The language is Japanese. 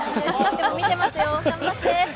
見てますよ、頑張って。